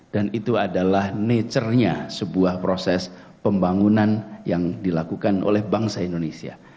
dan itu adalah nature nya sebuah proses pembangunan yang dilakukan oleh bangsa indonesia